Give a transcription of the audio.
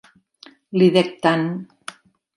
Li dec tant!